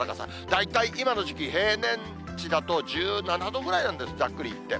大体今の時期、平年値だと１７度ぐらいなんです、ざっくりいって。